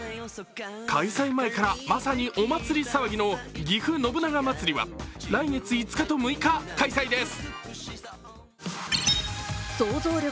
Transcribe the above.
開催前から、まさにお祭り騒ぎのぎふ信長まつりは来月５日と６日、開催です。